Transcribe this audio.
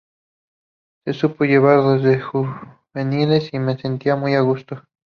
Me supo llevar desde juveniles y me sentía muy a gusto".